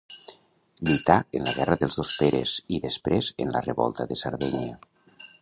Lluità en la guerra dels dos Peres i, després en la revolta de Sardenya.